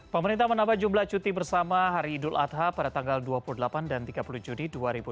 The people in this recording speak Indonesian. pemerintah menambah jumlah cuti bersama hari idul adha pada tanggal dua puluh delapan dan tiga puluh juni dua ribu dua puluh